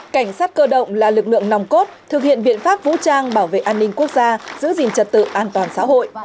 cảnh sát cơ động là lực lượng nòng cốt thực hiện biện pháp vũ trang bảo vệ an ninh quốc gia giữ gìn trật tự an toàn xã hội